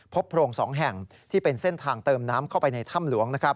โพรง๒แห่งที่เป็นเส้นทางเติมน้ำเข้าไปในถ้ำหลวง